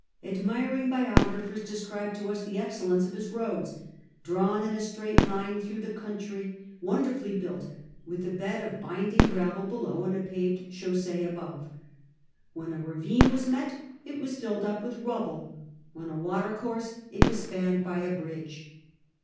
Admiring biographers describe to us the excellence of his roads, " drawn in a straight line throughout the country, wonderfully built, with a bed of binding gravel below and a paved chaussee above. When a ravine was met, it was filled up with rubble ; when a watercourse, it was spanned by a bridge.